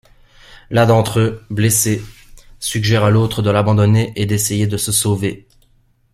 L'un d'entre eux, blessé, suggère à l'autre de l'abandonner et d'essayer de se sauver.